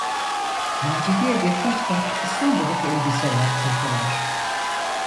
Macide’ye birkaç kat "İstanbulluk" elbise yaptırdılar.